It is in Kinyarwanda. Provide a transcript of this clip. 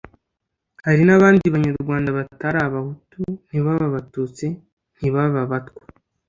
hari n'abandi banyarwanda batari abahutu ntibabe abatutsi, ntibabe abatwa: